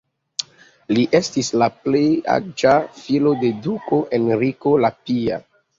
Li estis la plej aĝa filo de duko Henriko la Pia.